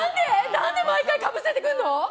何で毎回かぶせてくるの？